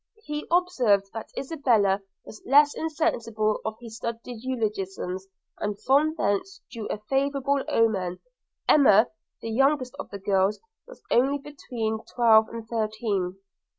He observed that Isabella was less insensible of his studied eulogiums, and from thence drew a favourable omen. Emma, the youngest of the girls, was only between twelve and thirteen.